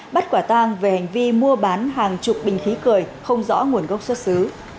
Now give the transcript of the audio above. bắt quả tang về hành vi mua bán hàng chục bình khí cười không rõ nguồn gốc xuất xứ